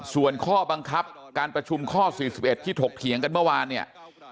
ส่วนข้อบังคับการประชุมข้อ๔๑ที่ถกเถียงกันเมื่อวานเนี่ย